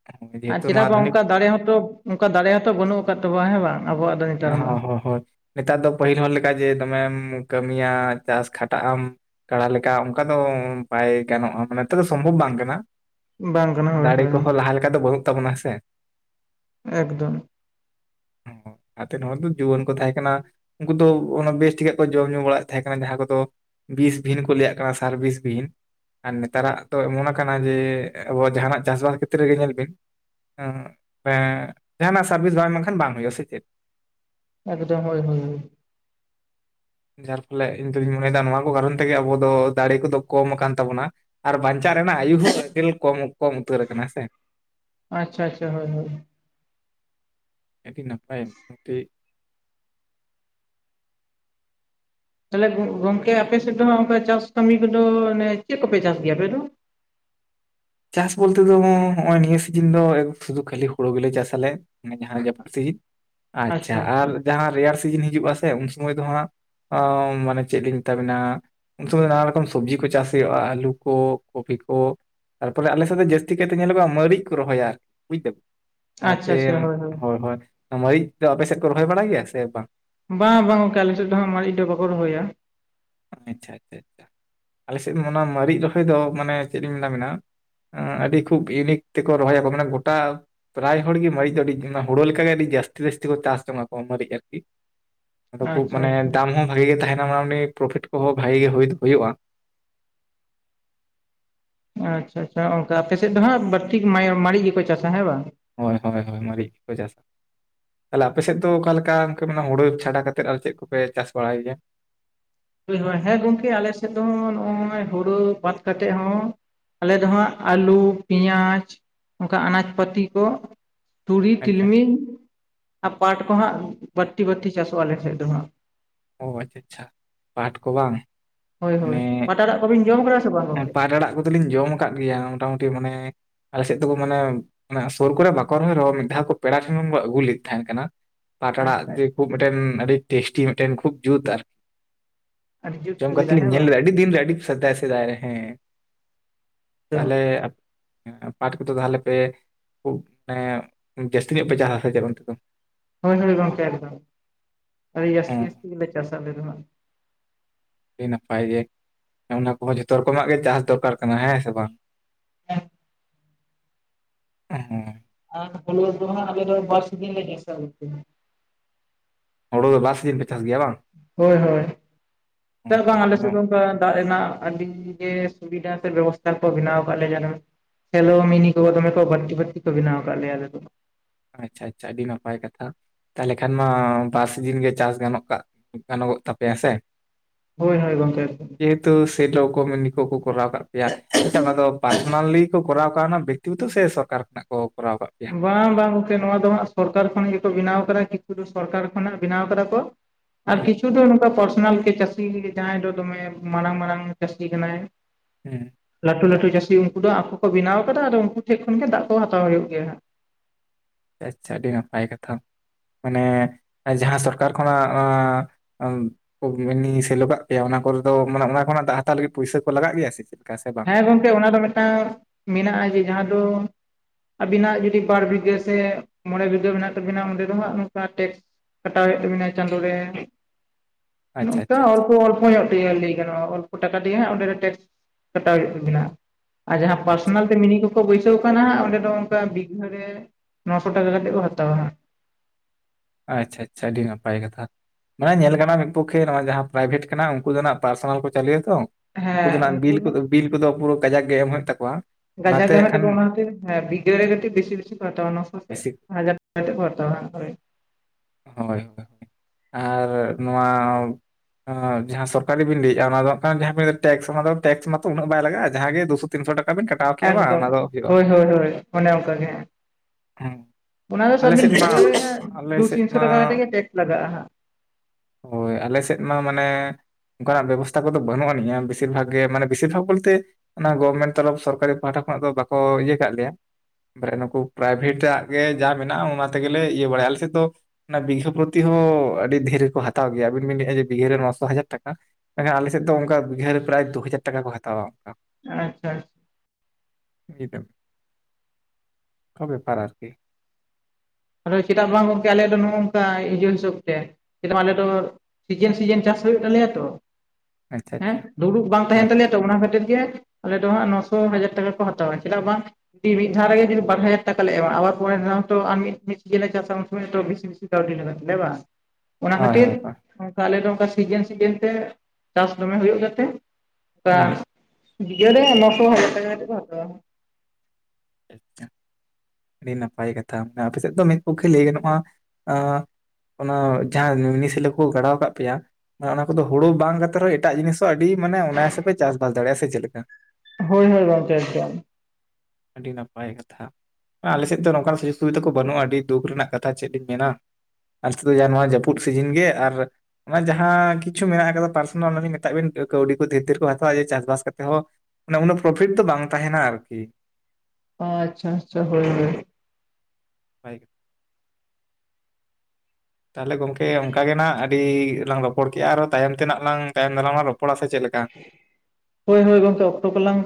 [unintelligible] ᱟᱨ ᱪᱮᱫᱟᱜ ᱵᱟᱝ ᱟᱫᱷᱩᱱᱤᱠ ᱚᱱᱠᱟ ᱫᱟᱲᱮ ᱦᱚᱸᱛᱚ ᱚᱱᱠᱟ ᱫᱟᱲᱮ ᱦᱚᱸᱛᱚ ᱵᱟᱹᱱᱩᱜ ᱟᱠᱟᱫ ᱛᱟᱵᱚᱣᱟ ᱦᱮᱸ ᱵᱟᱝ ᱟᱵᱚᱣᱟᱜ ᱫᱚ ᱱᱮᱛᱟᱨ ᱢᱟ, ᱦᱚᱸ ᱦᱚᱸ ᱦᱳᱭ ᱱᱮᱛᱟᱨ ᱫᱚ ᱯᱟᱹᱦᱤᱞ ᱦᱚᱲ ᱞᱮᱠᱟ ᱡᱮ ᱫᱚᱢᱮᱢ ᱠᱟᱹᱢᱤᱭᱟ ᱪᱟᱥ ᱠᱷᱟᱴᱟᱜ ᱟᱢ, ᱠᱟᱲᱟ ᱞᱮᱠᱟ ᱚᱱᱠᱟ ᱫᱚ ᱵᱟᱭ ᱜᱟᱱᱚᱜᱼᱟ ᱱᱤᱛᱚᱜ ᱫᱚ ᱥᱚᱢᱵᱷᱚᱵ ᱵᱟᱝ ᱠᱟᱱᱟ᱾ ᱵᱟᱝ ᱠᱟᱱᱟ ᱦᱳᱭ ᱫᱟᱲᱮ ᱦᱳᱭ ᱠᱚᱦᱚᱸ ᱞᱟᱦᱟ ᱞᱮᱠᱟ ᱫᱚ ᱵᱟᱹᱱᱩᱜ ᱛᱟᱵᱚᱱᱟ ᱦᱮᱸ ᱥᱮ? ᱮᱠᱫᱚᱢ, ᱦᱩ ᱦᱩ, ᱟᱛᱮ ᱱᱚᱣᱟ ᱫᱚ ᱡᱩᱣᱟᱹᱱ ᱠᱚ ᱛᱟᱦᱮᱸ ᱠᱟᱱᱟ ᱩᱱᱠᱩ ᱫᱚ ᱵᱮᱥ ᱴᱷᱤᱠ ᱟᱜ ᱠᱚ ᱡᱚᱢ ᱧᱩ ᱵᱟᱲᱟᱜ ᱛᱟᱦᱮᱸ ᱠᱟᱱᱟ ᱡᱟᱦᱟᱸ ᱠᱚᱫᱚ ᱵᱤᱥ ᱫᱷᱤᱱ ᱠᱚ ᱞᱟᱹᱭᱟᱜ ᱠᱟᱱᱟ ᱥᱟᱨ ᱵᱤᱥ ᱵᱤᱱ, ᱟᱨ ᱱᱮᱛᱟᱨᱟᱜ ᱫᱚ ᱮᱢᱚᱱ ᱟᱠᱟᱱᱟ ᱡᱮ ᱟᱵᱚ ᱡᱟᱦᱟᱱᱟᱜ ᱪᱟᱥᱵᱟᱥ ᱠᱷᱮᱛᱨᱮ ᱧᱮᱞ ᱵᱤᱱ, ᱡᱟᱦᱟᱱᱟᱜ ᱥᱟᱨᱵᱤᱥ ᱵᱟᱝ ᱮᱢᱠᱷᱟᱱ ᱵᱟᱝ ᱦᱩᱭᱩᱜᱼᱟ ᱥᱮ ᱪᱮᱫ? ᱮᱠᱫᱚᱢ ᱦᱳᱭ ᱦᱳᱭ ᱦᱳᱭ, ᱡᱟᱨ ᱯᱷᱚᱞᱮ ᱤᱧ ᱫᱩᱧ ᱢᱚᱱᱮᱭᱮᱫᱟ ᱱᱚᱣᱟ ᱠᱚ ᱠᱟᱨᱚᱱ ᱛᱮᱜᱮ ᱟᱵᱚ ᱫᱚ ᱫᱟᱲᱮ ᱠᱚᱫᱚ ᱠᱚᱢ ᱟᱠᱟᱱ ᱛᱟᱵᱚᱱᱟ᱾ ᱟᱨ ᱵᱟᱧᱪᱟᱜ ᱨᱮᱱᱟᱜ ᱟᱭᱩ ᱦᱚᱸ [unintelligible] ᱜᱟᱹᱠᱮᱞ ᱠᱚᱢ ᱠᱚᱢ ᱩᱛᱟᱹᱨ ᱟᱠᱟᱱᱟ ᱥᱮ? ᱟᱪᱪᱷᱟ ᱟᱪᱪᱷᱟ ᱦᱳᱭ ᱦᱳᱭ᱾ ᱟᱹᱰᱤ ᱱᱟᱯᱟᱭ [unintelligible] ᱛᱟᱦᱚᱞᱮ ᱜᱚᱝᱠᱮ ᱟᱯᱮᱥᱮᱫ ᱫᱚᱦᱟᱸᱜ ᱪᱟᱥ ᱠᱟᱹᱢᱤ ᱠᱚᱫᱚᱱᱮ ᱪᱮᱫ ᱠᱚᱯᱮ ᱪᱟᱥ ᱜᱮᱭᱟ ᱟᱯᱮ ᱫᱚ? ᱪᱟᱥ ᱵᱚᱞᱛᱮ ᱫᱚ ᱱᱚᱜᱼᱚᱭ ᱱᱤᱭᱟᱹ ᱥᱤᱡᱤᱱ ᱫᱚ ᱥᱩᱫᱷᱩ ᱠᱷᱟᱹᱞᱤ ᱦᱩᱲᱩ ᱜᱮᱞᱮ ᱪᱟᱥ ᱟᱞᱮ᱾ ᱮ ᱡᱟᱦᱟᱸ ᱡᱟᱹᱯᱩᱫ ᱥᱤᱡᱤᱱ ᱟᱪᱪᱷᱟ ᱟᱨ ᱡᱟᱦᱟᱸ ᱨᱮᱭᱟᱲ ᱥᱤᱡᱤᱱ ᱦᱤᱡᱩᱜ ᱟᱥᱮ ᱩᱱ ᱥᱚᱢᱚᱭ ᱫᱚ ᱦᱟᱸᱜ ᱚ ᱢᱟᱱᱮ ᱪᱮᱫ ᱞᱤᱧ ᱢᱮᱛᱟᱵᱮᱱᱟ, ᱩᱱ ᱥᱚᱢᱚᱭ ᱱᱟᱱᱟ ᱨᱚᱠᱚᱢ ᱥᱚᱵᱽᱡᱤ ᱠᱚ ᱪᱟᱥ ᱦᱩᱭᱩᱜ-ᱟ ᱟᱹᱞᱩ ᱠᱚ ᱠᱚᱯᱤ ᱠᱚ ᱛᱟᱨᱯᱚᱨᱮ ᱟᱞᱮ ᱥᱮᱫ ᱫᱚ ᱡᱟᱹᱥᱛᱤ ᱠᱟᱭᱛᱮ ᱧᱮᱞᱚᱜᱼᱟ ᱢᱟᱹᱨᱤᱡ ᱠᱚ ᱨᱚᱦᱚᱭᱟ ᱟᱨᱠᱤ ᱵᱩᱡ ᱫᱟᱵᱮᱱ, ᱟᱯᱮ ᱦᱳᱭ ᱦᱳᱭ ᱢᱟᱹᱨᱤᱪ ᱫᱚ ᱟᱯᱮ ᱥᱮᱫ ᱠᱚ ᱨᱚᱦᱚᱭ ᱵᱟᱲᱟᱭ ᱜᱮᱭᱟ ᱥᱮ ᱵᱟᱝ? ᱵᱟᱝ ᱵᱟᱝ ᱠᱟ ᱟᱞᱮ ᱥᱮᱫ ᱫᱚ ᱦᱟᱸᱜ ᱢᱟᱨ ᱢᱤᱫᱴᱟᱹ ᱵᱟᱠᱚ ᱨᱚᱦᱚᱭᱟ᱾ ᱟᱪᱷᱟ ᱟᱪᱷᱟ ᱟᱷᱟ ᱟᱞᱮ ᱥᱮᱫ ᱫᱚ ᱚᱱᱟ ᱢᱟᱨᱤᱪ ᱨᱚᱦᱚᱭ ᱫᱚ ᱢᱟᱱᱮ ᱪᱮᱫ ᱤᱧ ᱢᱮᱱᱟ ᱢᱮ᱾ ᱟᱹᱰᱤ ᱠᱷᱩᱵ ᱤᱭᱩᱱᱤᱠ ᱛᱮᱠᱚ ᱨᱚᱦᱚᱭᱟᱚ ᱢᱟᱱᱮ ᱜᱚᱴᱟ᱾ ᱯᱨᱟᱭ ᱦᱚᱲᱜᱮ ᱢᱟᱹᱨᱤᱡ ᱫᱚ ᱟᱹᱰᱤ ᱦᱳᱲᱳ ᱞᱮᱠᱟᱜᱮ ᱟᱹᱰᱤ ᱡᱟᱹᱥᱛᱤ ᱡᱟᱹᱥᱛᱤ ᱠᱚ ᱪᱟᱥ ᱮᱢᱟ ᱠᱚ ᱢᱟᱹᱨᱤᱪ ᱟᱨᱠᱤ᱾ ᱟᱫᱚ ᱠᱷᱩᱵ ᱟᱪᱪᱷᱟ ᱢᱟᱱᱮ ᱟᱪᱪᱷᱟ ᱫᱟᱢ ᱦᱚᱸ ᱵᱷᱟᱜᱤ ᱜᱮ ᱛᱟᱦᱮᱱᱟ ᱢ ᱩᱱᱤ ᱯᱨᱚᱯᱷᱤᱴ ᱠᱚᱦᱚᱸ ᱵᱷᱟᱜᱤ ᱜᱮ ᱦᱩᱭᱩᱜᱼᱟ᱾ ᱟᱪᱪᱷᱟ ᱟᱪᱪᱷᱟ ᱚᱱᱠᱟ ᱟᱯᱮᱮᱥᱮᱫ ᱫᱚ ᱦᱟᱜ ᱵᱟᱹᱲᱤᱠ ᱢᱟᱹᱨᱤᱡ ᱜᱮᱠᱚ ᱪᱟᱥᱟ ᱦᱮᱸ ᱵᱟᱝ᱾ ᱦᱳᱭ ᱦᱳᱭ ᱦᱳᱭ ᱢᱟᱨᱤᱡ ᱜᱮᱠᱚ ᱪᱟᱥᱟ᱾ ᱛᱟᱦᱚᱞᱮ ᱟᱯᱮ ᱥᱮᱫ ᱫᱚ ᱚᱠᱟ ᱞᱮᱠᱟ ᱚᱱ ᱦᱩᱲᱳ ᱪᱷᱟᱰᱟ ᱠᱟᱛᱮᱮᱫ ᱟᱨ ᱪᱮᱫ ᱠᱚᱯᱮ ᱪᱟᱥ ᱵᱟᱲᱟᱭ ᱜᱮᱭᱟ? ᱦᱭᱳᱭ ᱦᱮᱸ ᱜᱚᱝᱠᱮ ᱟᱞᱮ ᱥᱮᱫ ᱫᱚ ᱱᱚᱜᱼᱚᱭ ᱦᱩᱲᱩ ᱵᱟᱫ ᱠᱟᱛᱮᱜ ᱦᱚᱸ᱾ ᱟᱞᱮ ᱫᱚᱦᱟᱸᱜ ᱟᱹᱞᱩ ᱯᱮᱸᱭᱟᱡᱽ ᱚᱱᱠᱟ ᱟᱱᱟᱡᱽ ᱯᱟᱟᱹᱛᱤ ᱠᱚ᱾ ᱛᱩᱲᱤ ᱟᱪᱪᱷᱟ ᱛᱤᱞᱢᱤᱧ ᱟᱨ ᱯᱟᱴ ᱠᱚᱦᱟᱸᱜ ᱵᱟᱹᱲᱛᱤ ᱵᱟᱹᱲᱛᱤ ᱪᱟᱥᱚᱜᱼᱟ ᱟᱞᱮ ᱥᱮᱫ ᱫᱚᱦᱟᱸᱜ᱾ ᱚ ᱟᱪᱷᱟ ᱟᱪᱪᱷᱟ ᱯᱟᱴ ᱠᱚ ᱵᱟᱝ᱾ ᱦᱳᱭ ᱦᱳᱭ ᱢᱟᱱᱮ ᱯᱟᱴᱟᱟᱜ ᱠᱚᱵᱤᱱ ᱡᱚᱢ ᱠᱟᱱᱟᱫᱟ ᱥᱮ ᱵᱟᱝ ᱜᱚᱢᱠᱮ? ᱫᱚᱞᱤᱧ ᱡᱚᱢ ᱟᱠᱟᱫ ᱜᱮᱭᱟ ᱢᱚᱴᱟᱢᱩᱴᱤ ᱢᱟᱱᱮ, ᱟᱞᱮ ᱥᱮᱫ ᱫᱚᱠᱚ ᱢᱟᱱᱮ ᱥᱩᱨ ᱠᱚᱨᱮ ᱵᱟᱠᱚ ᱨᱚᱦᱚᱭ ᱨᱮᱦᱚᱸ ᱢᱤᱫ ᱫᱷᱟᱣ ᱠᱚ ᱯᱮᱲᱟ ᱴᱩᱢᱩᱢ ᱠᱚ ᱟᱹᱜᱩ ᱞᱮᱫ ᱛᱟᱦᱮᱸ ᱠᱟᱱᱟ᱾ ᱯᱟᱴᱲᱟᱜ ᱟᱪᱪᱷᱟ ᱡᱮ ᱟᱪᱪᱷᱟ ᱠᱷᱩᱵ ᱢᱤᱫᱴᱮᱱ ᱟᱹᱰᱤ ᱴᱮᱥᱴᱤ ᱢᱤᱫᱴᱮᱱ ᱠᱷᱩᱵ ᱡᱩᱛ ᱟᱨᱠᱤ᱾ ᱟᱹᱰᱤ ᱡᱩᱛ ᱡᱚᱢ ᱠᱟᱛᱮ ᱥᱤᱵᱤᱞᱟ ᱞᱤᱧ ᱦᱮᱸ ᱧᱮᱞ ᱵᱟᱝ? ᱞᱮᱫᱟ ᱟᱹᱰᱤ ᱫᱤᱱ ᱨᱮ ᱟᱹᱰᱤ ᱫᱤᱱ ᱨᱮ᱾ ᱥᱫᱟᱭ ᱥᱮ ᱡᱨᱮ ᱛᱚ ᱛᱟᱦᱚᱞᱮ ᱟ ᱯᱟᱴ ᱠᱚᱫᱚ ᱛᱟᱦᱚᱞᱮ ᱯᱮ ᱠᱷᱩᱵ ᱢᱟᱱᱮ ᱡᱟᱹᱥᱛᱤ ᱧᱚᱜ ᱯᱮ ᱚᱱᱛᱮ ᱫᱚ᱾ ᱦᱳᱭ ᱦᱳᱭ ᱜᱚᱝᱠᱮᱞᱫᱚ ᱟᱹᱰᱤ ᱚ ᱡᱟᱹᱥᱛᱤ ᱡᱟᱹᱥᱛᱤ ᱜᱮᱞᱮ ᱪᱟᱥ ᱟᱞᱮ ᱫᱚ ᱦᱟᱸᱜ᱾ ᱟᱹᱰᱤ ᱱᱟᱯᱟᱭ ᱜᱮᱮ ᱚᱱᱟ ᱠᱚᱦᱚᱸ ᱡᱚᱛᱚ ᱨᱚᱠᱚᱢᱟᱜ ᱜᱮ ᱪᱟᱥ ᱫᱚᱨᱠᱟᱨ ᱠᱟᱱᱟ ᱦᱮᱸ ᱥᱮ ᱵᱟᱝ᱾ ᱦ ᱦᱮ᱾ ᱟᱨ ᱟ ᱵᱟᱨᱥᱤ ᱫᱤᱱ ᱜᱮᱥᱟ᱾ ᱦᱲᱰᱮ ᱫᱚᱥᱮᱫᱤᱱ ᱯᱮ ᱪᱟᱥ ᱜᱮᱭᱟ ᱵᱟᱝ? ᱦᱳᱭ ᱦᱳᱭ ᱪᱮᱫ ᱵᱟᱝ ᱟᱞᱮ ᱦᱚᱸ, ᱥᱮᱫ ᱫᱚ ᱚᱱᱠᱟ ᱫᱟᱜ ᱨᱮᱱᱟᱜ ᱟᱹᱰᱤ ᱥᱩᱵᱤᱫᱷᱟ ᱥᱮ ᱵᱮᱵᱚᱥᱛᱷᱟ ᱠᱚ ᱵᱮᱱᱟᱣ ᱠᱮ ᱡᱮᱱᱢ᱾ ᱦᱮᱞᱳ ᱢᱤᱱᱤ ᱠᱚ ᱛ ᱠᱚ ᱵᱴᱤ ᱵᱴᱤ ᱠᱚ ᱵᱮᱱᱟᱣ ᱠᱟᱫ ᱞᱮᱭᱟ ᱟᱞᱮᱫ᱾ ᱟᱪᱷᱟ ᱟᱪᱷᱟ ᱟᱹᱰᱤ ᱱᱟᱯᱟᱭ ᱠᱟᱛᱷᱟ᱾ ᱛᱟᱦᱚᱞᱮ ᱠᱷᱟᱱ ᱢᱟ ᱵᱟᱨ ᱥᱤᱡᱤᱱ ᱜᱮ ᱪᱟᱥ ᱜᱟᱱᱚᱜ ᱜᱟᱱᱚᱜᱚᱜ ᱛᱟᱯᱮᱭᱟ ᱦ ᱥᱮ? ᱦᱳᱭ ᱦᱳᱭ ᱜᱚᱢᱠᱮ ᱾ ᱡᱮᱦᱮᱛᱩ ᱥᱮ ᱰᱚᱠᱢᱮᱱ ᱱ ᱠᱚ ᱠᱚ ᱠᱚᱨᱟᱣ ᱠᱟᱜ ᱯᱮᱭᱟ ᱚᱱᱟ ᱫᱚ ᱯᱟᱨᱥᱚᱱᱟᱞᱤ ᱠᱚ ᱠᱚᱨᱟᱣ ᱠᱟᱜ ᱡᱤᱩᱛᱩ ᱥᱮ ᱠᱚᱨᱟᱣ ᱠᱟᱜᱣᱟ᱾ ᱵᱟᱝ ᱵᱟᱝ ᱜᱚᱢᱠᱮ ᱱᱚᱣᱟ ᱫᱚ ᱦᱜ ᱥᱚᱨᱠᱟᱨ ᱠᱷᱚᱱᱟᱜ ᱜᱮᱠᱚ ᱵᱮᱱᱟᱣ ᱟᱠᱟᱫᱟ ᱠᱤᱪᱷᱩ ᱥᱚᱨᱠᱟᱨ ᱠᱷᱚᱱᱟᱜ ᱵᱮᱱᱟᱣ ᱠᱟᱫᱟ ᱠᱚ᱾ ᱟᱨ ᱦᱩᱸ ᱠᱤᱪᱷᱩ ᱫᱚ ᱱᱚᱝᱠᱟ ᱯᱟᱨᱥᱚᱱᱟᱞ ᱪᱟᱥ ᱡᱟᱹᱛᱤ ᱡᱟᱦᱟᱸᱭ ᱫᱚ ᱫᱚᱢᱮ ᱢᱟᱨᱟᱝ ᱢᱟᱨᱟᱝ ᱡᱟᱹᱥᱛᱤ ᱠᱟᱱᱟᱭ᱾ ᱦᱩ᱾ ᱞᱴᱩ ᱞᱟᱟᱹᱴᱩ ᱪᱟᱹᱥᱤ ᱩᱱᱠᱩ ᱫᱚ ᱟᱠᱚ ᱠᱚ ᱵᱮᱱᱟᱣ ᱟᱠᱟᱫᱟ ᱟᱨ ᱩᱱᱠᱩ ᱴᱷᱮᱱ ᱠᱷᱚᱱ ᱜᱮ ᱫᱟᱜ ᱠᱚ ᱦᱟᱛᱟᱣ ᱦᱩᱭᱩᱜ ᱜᱮᱭᱟ᱾ ᱟᱪᱷᱟ ᱟᱹᱰᱤ ᱱᱟᱯᱟᱭ ᱠᱟᱛᱷᱟ ᱢᱟᱱᱮ ᱡᱟᱦᱟᱸ ᱥᱚᱨᱠᱟᱨ ᱠᱷᱚᱱᱟᱜ ᱟᱻᱻ ᱮᱻᱢᱤᱱᱤ ᱥᱮᱞᱳ ᱠᱟᱜ ᱯᱮᱭᱟ ᱚᱱᱟ ᱠᱚᱨᱮ ᱫᱚ ᱢᱟᱱᱮ ᱚᱱᱟ ᱠᱷᱚᱱᱟᱜ ᱫᱟᱜ ᱦᱟᱛᱟᱣ ᱞᱟᱹᱜᱤᱫ ᱯᱩᱭᱥᱟᱹ ᱠᱚ ᱞᱟᱜᱟᱜ ᱜᱮᱭᱟ ᱥᱮ ᱪᱮᱫ ᱪᱮᱫ? ᱦᱮᱸ ᱜᱚᱢᱠᱮ ᱚᱱᱟ ᱫᱚ ᱢᱤᱫᱴᱟᱝ ᱢᱮᱱᱟᱜᱼᱟ ᱡᱮᱻ ᱡᱟᱦᱟᱸ ᱫᱚ ᱟᱵᱤᱱᱟᱜ ᱡᱩᱫᱤ ᱵᱟᱨ ᱵᱤᱜᱷᱟᱹ ᱥᱮ ᱢᱚᱬᱮ ᱵᱤᱜᱷᱟᱹ ᱢᱮᱱᱟᱜ ᱛᱟᱵᱤᱱᱟ ᱚᱸᱰᱮ ᱫᱚ ᱦᱟᱸᱜ ᱱᱚᱝᱠᱟ ᱴᱮᱠᱥ ᱠᱟᱴᱟᱣ ᱦᱩᱭᱩᱜ ᱛᱟᱵᱤᱱᱟ ᱪᱟᱸᱫᱳ ᱨᱮ᱾ ᱟᱪᱪᱷᱟ ᱱᱚᱝᱠᱟ ᱟᱪᱪᱷᱟ ᱟᱪᱪᱷᱟ ᱚᱞᱯᱚ ᱚᱞᱯᱚ ᱧᱚᱜ ᱛᱮ ᱞᱟᱹᱭ ᱜᱟᱱᱚᱜᱼᱟ ᱚᱞᱯᱚ ᱴᱟᱠᱟ ᱛᱮᱜᱮ ᱦᱟᱜ ᱚᱸᱰᱮ ᱫᱚ ᱴᱮᱠᱥ ᱠᱟᱴᱟᱣ ᱦᱩᱭᱩᱜ ᱛᱟᱵᱤᱱᱟ ᱟᱨ ᱡᱟᱦᱟᱸ ᱟᱪᱪᱷᱟ ᱯᱟᱨᱥᱚᱱᱟᱞ ᱛᱮ ᱢᱤᱱᱤ ᱠᱚ ᱵᱟᱹᱭᱥᱟᱹᱣ ᱠᱟᱱᱟᱜ ᱚᱸᱰᱮ ᱫᱚ ᱚᱱᱠᱟ ᱵᱤᱜᱷ ᱨᱮ ᱱᱚᱥᱚ ᱴᱟᱠᱟ ᱠᱟᱛᱮᱫ ᱠᱚ ᱦᱟᱛᱟᱣᱟ ᱦᱟᱸᱜ᱾ ᱟᱪᱪᱷᱟ ᱟᱪᱪᱷᱟ ᱟᱹᱰᱤ ᱱᱟᱯᱟᱭ ᱠᱟᱛᱷᱟ᱾ ᱢᱟᱱᱮ ᱧᱮᱞ ᱜᱟᱱᱟ-ᱟ ᱢᱤᱫ ᱯᱚᱠᱠᱷᱮ ᱱᱚᱣᱟ ᱡᱟᱦᱟᱸ ᱯᱨᱟᱭᱵᱷᱮᱴ ᱠᱟᱱᱟ ᱩᱱᱠᱩ ᱫᱚ ᱱᱟᱜ ᱯᱟᱨᱥᱚᱱᱟᱞ ᱠᱚ ᱪᱟᱹᱞᱩᱭᱟ ᱛᱚ᱾ ᱩᱱᱠᱩ ᱦᱮᱸ ᱫᱚ ᱱᱟᱜ ᱵᱤᱞ ᱫᱚ ᱠᱚᱫᱚ ᱵᱤᱞ ᱠᱚᱫᱚ ᱯᱩᱨᱟᱹ ᱠᱟᱡᱟᱠ ᱜᱮ ᱮᱢ ᱦᱩᱭᱩᱜ ᱛᱟᱠᱚᱣᱟ᱾ ᱜᱟᱡᱟᱜ ᱚᱱᱟᱛᱮ ᱜᱮ ᱮᱢ ᱦᱩᱭᱩᱜ ᱮᱠᱷᱟᱱ ᱛᱟᱠᱟᱣᱟ ᱚᱱᱟ ᱠᱷᱟᱹᱛᱤᱨ ᱦᱮᱸ ᱵᱤᱜᱟ ᱨᱮ ᱠᱟᱴᱤᱡ ᱵᱮᱥᱤ ᱵᱮᱥᱤ ᱠᱚ ᱦᱟᱛᱟᱣ-ᱟ, ᱱᱚᱥᱚ ᱥᱮ ᱵᱮᱥᱤ ᱦᱟᱡᱟᱨ᱾ ᱠᱟᱛᱮᱫ ᱠᱚ ᱦᱟᱛᱟᱣ-ᱟ ᱦᱳᱭ᱾ ᱦᱳᱭ ᱦᱳᱭ ᱦᱳᱭ ᱟᱨ ᱱᱚᱣᱟ ᱟᱨ ᱡᱟᱦᱟᱸ ᱥᱚᱨᱠᱟᱨᱤ ᱵᱤᱱ ᱞᱟᱹᱭᱮ-ᱟ ᱚᱱᱟ ᱫᱚ ᱦᱟᱜᱠᱷᱟᱱ ᱡᱟᱦᱟᱸ ᱱᱤᱱ ᱞᱟᱹᱭᱫᱟ ᱴᱮᱠᱥ ᱚᱱᱟ ᱫᱚ ᱴᱮᱠᱥ ᱢᱟᱛᱚ ᱩᱱᱟᱹᱜ ᱵᱟᱭ ᱞᱟᱜᱟᱜᱼᱟ ᱡᱟᱦᱟᱸ ᱜᱮ ᱫᱩᱥᱚ ᱛᱤᱱᱥᱚ ᱴᱟᱠᱟ ᱵᱤᱱ ᱠᱟᱴ ᱮᱠᱫᱚᱢ ᱦᱳᱭ ᱦᱳᱭ ᱦᱳᱭ ᱚᱱᱮ ᱚᱱᱠᱟ ᱜᱮ ᱦᱮᱸᱜ᱾ ᱦᱩᱸ ᱚᱱᱟ ᱫᱚ ᱥᱟᱵ ᱟᱞᱮ ᱵᱤᱱ ᱥᱮᱫ ᱢᱟ ᱵᱤᱜᱟ ᱨᱮ ᱦᱟᱸᱜ ᱟᱞᱮ ᱥᱮᱫ ᱫᱩ-ᱛᱤᱱᱥᱚ ᱢᱟ ᱴᱟᱠᱟ ᱠᱟᱛᱮ ᱜᱮ ᱴᱮᱠᱥ ᱞᱟᱜᱟᱜᱼᱟ ᱦᱟᱸᱜ᱾ [inaudible] ᱦᱳᱭ ᱟᱞᱮ ᱥᱮᱫ ᱢᱟ ᱢᱟᱱᱮ ᱚᱱᱠᱟᱱᱟᱜ ᱵᱮᱵᱚᱥᱛᱷᱟ ᱠᱚᱫᱚ ᱵᱟᱹᱱᱩᱜ ᱟᱹᱱᱤᱧ-ᱟ᱾ ᱵᱮᱥᱤᱨ ᱵᱷᱟᱜ ᱜᱮ ᱢᱟᱱᱮ ᱵᱮᱥᱤᱨ ᱵᱷᱟᱜᱽ ᱵᱚᱞᱛᱮ ᱚᱱᱟ ᱜᱚᱵᱷᱢᱮᱱᱴ ᱛᱚᱨᱚᱯᱷ ᱥᱚᱨᱠᱟᱨᱤ ᱯᱟᱦᱴᱟ ᱠᱷᱚᱱᱟᱜ ᱫᱚ ᱵᱟᱠᱚ ᱤᱭᱟᱹ ᱠᱟᱫ ᱞᱮᱭᱟ᱾ ᱵᱚᱨᱮᱜᱮ ᱱᱩᱠᱩ ᱯᱨᱟᱭᱵᱷᱮᱴᱟᱜ ᱜᱮ ᱠᱚ ᱡᱟ ᱢᱮᱱᱟᱜ-ᱟ ᱚᱱᱟ ᱛᱮᱜᱮᱞᱮ ᱤᱭᱟᱹ ᱵᱟᱲᱟᱭᱟ᱾ ᱟᱞᱮ ᱥᱮᱫ ᱛᱮᱫᱚ ᱚᱱᱟ ᱵᱤᱜᱷᱟᱹ ᱯᱨᱚᱛᱤ ᱦᱚᱸ ᱟᱹᱰᱤ ᱰᱷᱮᱨ ᱜᱮᱠᱚ ᱦᱟᱛᱟᱣ ᱜᱮᱭᱟ ᱟᱵᱤᱱ ᱵᱤᱱ ᱞᱟᱹᱭᱮᱜ-ᱟ ᱵᱤᱜᱷᱟᱹ ᱨᱮ ᱱᱚᱥᱚ ᱦᱟᱡᱟᱨ ᱴᱟᱠᱟ᱾ ᱮᱱᱠᱷᱟᱱ ᱟᱞᱮᱥᱮᱫ ᱫᱚ ᱚᱱᱠᱟ ᱵᱤᱜᱷᱟᱹᱨ ᱨᱮ ᱯᱨᱟᱭ ᱫᱩ ᱦᱟᱡᱟᱨ ᱴᱟᱠᱟ ᱠᱚ ᱦᱟᱛᱟᱣᱟ ᱚᱱᱠᱟ᱾ ᱟᱪᱪᱷᱟ ᱟᱪᱪᱷᱟ᱾ [unintelligible] ᱟᱱᱠᱟ ᱵᱮᱯᱟᱨ ᱟᱨᱠᱤ᱾ ᱟᱫᱚ ᱪᱮᱫᱟᱜ ᱵᱟᱝ ᱜᱚᱝᱠᱮ ᱟᱞᱮᱭᱟᱜ ᱫᱚ ᱱᱚ-ᱚᱝᱠᱟ ᱤᱡᱟ ᱦᱤᱥᱟᱹᱵ ᱛᱮ᱾ ᱪᱮᱫᱟᱢ ᱟᱞᱮ ᱫᱚ ᱥᱤᱡᱮᱱ ᱥᱤᱡᱮᱱ ᱪᱟᱥ ᱦᱩᱭᱩᱜ ᱛᱟᱞᱮᱭᱟ ᱛᱚ᱾ ᱟᱪᱪᱷᱟ ᱦᱮᱸ ᱟᱪᱪᱷᱟ ᱫᱩᱲᱩᱵ ᱵᱟᱝ ᱦᱮᱸ ᱛᱟᱦᱮᱱ ᱛᱟᱞᱮᱭᱟ᱾ ᱛᱚ ᱚᱱᱟ ᱠᱷᱟᱹᱛᱤᱨ ᱜᱮ ᱟᱞᱮ ᱫᱚ ᱦᱟᱸᱜ ᱱᱚᱥᱚ ᱦᱟᱡᱟᱨ ᱴᱟᱠᱟ ᱠᱚ ᱦᱟᱛᱟᱣᱟ᱾ ᱪᱮᱫᱟᱜ ᱵᱟᱝ ᱫᱤ ᱢᱤᱫ ᱫᱷᱟᱣ ᱨᱮᱜᱮ ᱡᱚᱫᱤ ᱵᱟᱨ ᱦᱟᱡᱟᱨ ᱴᱟᱠᱟ ᱞᱮ ᱮᱢᱟ ᱟᱵᱟᱨ ᱯᱚᱨᱮᱨ ᱫᱷᱟᱣ ᱦᱚᱸᱛᱚ ᱟᱨ ᱢᱤᱫ ᱢᱤᱫ ᱥᱤᱡᱤᱱ ᱞᱮ ᱪᱟᱥᱟ ᱩᱱ ᱥᱚᱢᱚᱡ ᱦᱚᱛᱚ ᱵᱮᱥᱤ ᱵᱮᱥᱤ ᱠᱟᱹᱣᱰᱤ ᱛᱟᱞᱮᱭᱟ ᱵᱟᱝ᱾ ᱚᱱᱟ ᱦᱳᱭ ᱠᱷᱟᱹᱛᱤᱨ ᱦᱳᱭ ᱦᱳᱭ ᱚᱱᱠᱟ ᱟᱞᱮ ᱫᱚ ᱚᱱᱠᱟ ᱥᱤᱡᱮᱱ ᱥᱤᱡᱮᱱ ᱛᱮ ᱪᱟᱥ ᱫᱚᱢᱮ ᱦᱩᱭᱩᱜ ᱜᱮᱛᱮ ᱚᱱᱠᱟ ᱦᱩᱸ ᱵᱤᱜᱟ ᱨᱮ ᱱᱚᱥᱚ ᱦᱟᱡᱟᱨ ᱴᱟᱠᱟ ᱠᱟᱛᱮᱫ ᱠᱚ ᱦᱟᱛᱟᱣᱟ᱾ ᱟᱪᱪᱷᱟ᱾ ᱟᱹᱰᱤ ᱱᱟᱯᱟᱭ ᱠᱟᱛᱷᱟ ᱢᱟᱱᱮ ᱟᱯᱮ ᱥᱮᱫ ᱫᱚ ᱢᱤᱫ ᱯᱚᱠᱠᱷᱮ ᱞᱟᱹᱭ ᱜᱟᱱᱚᱜ-ᱟ ᱟᱸ ᱚᱱᱟ ᱡᱟᱦᱟᱸ ᱢᱤᱱᱤ ᱥᱤᱞᱳ ᱠᱚ ᱜᱟᱰᱟᱣ ᱟᱠᱟᱫ ᱯᱮᱭᱟ, ᱢᱟᱱᱮ ᱚᱱᱟ ᱠᱚᱫᱚ ᱦᱩᱲᱳ ᱵᱟᱝ ᱠᱟᱛᱮ ᱨᱮᱦᱚᱸ ᱮᱴᱟᱜ ᱡᱤᱱᱤᱥ ᱛᱚ ᱟᱹᱰᱤ ᱢᱟᱱᱮ ᱚᱱᱟᱭᱮᱥᱮ ᱯᱮ ᱪᱟᱥ ᱵᱟᱥ ᱫᱟᱲᱮᱭᱟᱜᱼᱟ, ᱥᱮ ᱪᱮᱫ ᱞᱮᱠᱟ? ᱦᱳᱭ ᱦᱳᱭ ᱜᱚᱢᱠᱮ ᱮᱠᱫᱚᱢ᱾ ᱟᱹᱰᱤ ᱱᱟᱯᱟᱭ ᱠᱟᱛᱷᱟ᱾ ᱟᱞᱮᱥᱮᱫ ᱫᱚ ᱱᱚᱝᱠᱟ ᱥᱩᱡᱳᱜᱽ ᱥᱩᱵᱤᱛᱟ ᱠᱚ ᱵᱟᱱᱩᱜ-ᱟ, ᱟᱹᱰᱤ ᱫᱩᱠ ᱨᱮᱱᱟᱜ ᱠᱟᱛᱷᱟ ᱪᱮᱫ ᱞᱤᱧ ᱢᱮᱱᱟ᱾ ᱟᱞᱮ ᱥᱮᱫ ᱫᱚ ᱡᱟᱦᱟᱸ ᱱᱚᱣᱟ ᱡᱟᱹᱯᱩᱫ ᱥᱤᱡᱤᱱ ᱜᱮ ᱟᱨ ᱚᱱᱟ ᱡᱟᱦᱟᱸ ᱠᱤᱪᱷᱩ ᱢᱮᱱᱟᱜ ᱟᱠᱟᱫᱟ ᱯᱟᱨᱥᱚᱱᱟᱞ ᱚᱱᱟ ᱚᱱᱟᱫᱩᱧ ᱢᱮᱛᱟᱜ ᱵᱤᱱ ᱠᱟᱹ-ᱠᱟᱹᱣᱰᱤ ᱠᱚ ᱫᱷᱮᱨ ᱫᱷᱮᱨ ᱠᱚ ᱦᱟᱛᱟᱣᱟ ᱡᱮ ᱪᱟᱥᱵᱟᱥ ᱠᱟᱛᱮᱫ ᱦᱚᱸ ᱢᱟᱱᱮ ᱩᱱᱟᱹᱜ ᱯᱨᱚᱯᱷᱤᱴ ᱫᱚ ᱵᱟᱝ ᱛᱟᱦᱮᱱᱟ ᱟᱨᱠᱤ᱾ ᱚ ᱟᱪᱪᱷᱟ ᱟᱪᱪᱷᱟ ᱦᱳᱭ ᱦᱳᱭ᱾ ᱦᱳᱭ᱾ ᱛᱟᱦᱚᱞᱮ ᱜᱚᱝᱠᱮ ᱚᱱᱠᱟ ᱜᱮ ᱱᱟᱦᱟᱜ ᱟᱹᱰᱤ ᱞᱟᱝ ᱨᱚᱯᱚᱲ ᱠᱮ-ᱟ, ᱟᱨᱦᱚ ᱛᱟᱭᱚᱢ ᱛᱮᱱᱟᱜ ᱞᱟᱝ ᱛᱟᱭᱚᱢ ᱫᱟᱨᱟᱝ ᱞᱟᱝ ᱨᱚᱯᱚᱲᱟ ᱥᱮ ᱪᱮᱫ ᱞᱮᱠᱟ? ᱦᱳᱭ ᱦᱳᱭ ᱜᱚᱢᱠᱮ ᱚᱠᱛᱚ ᱠᱚᱞᱟᱝ